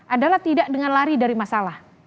adalah tidak dengan lari dari masalah